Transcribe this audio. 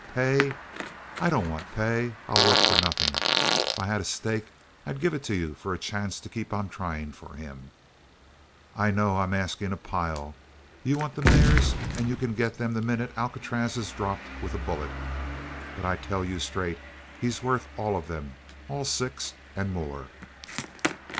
Pay? I don't want pay! I'll work for nothing. If I had a stake, I'd give it to you for a chance to keep on trying for him. I know I'm asking a pile. You want the mares and you can get them the minute Alcatraz is dropped with a bullet, but I tell you straight, he's worth all of 'em all six and more!"